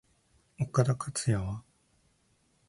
岡田克也は？